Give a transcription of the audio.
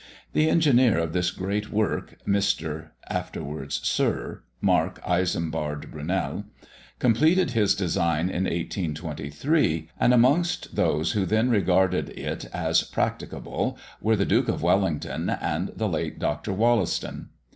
The engineer of this great work, Mr. (afterwards Sir) Mark Isambard Brunel, completed his design in 1823; and amongst those who then regarded it as practicable were the Duke of Wellington and the late Dr. Wollaston.